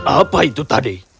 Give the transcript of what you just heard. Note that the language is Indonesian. apa itu tadi